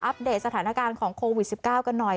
เดตสถานการณ์ของโควิด๑๙กันหน่อย